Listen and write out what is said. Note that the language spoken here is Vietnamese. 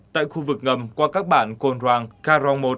tại khu vực ngầm qua các bản cồn hoàng ca rong một